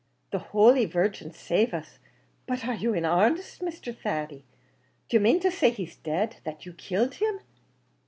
"The holy Virgin save us! But are you in arnest, Mr. Thady? D'ye main to say he's dead that you killed him?"